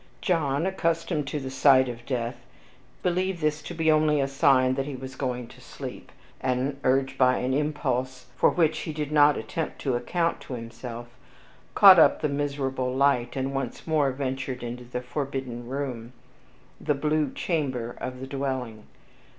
John, unaccustomed to the sight of death, believed this to be only a sign that he was going to sleep; and, urged by an impulse for which he did not attempt to account to himself, caught up the miserable light, and once more ventured into the forbidden room, the BLUE CHAMBER of the dwelling.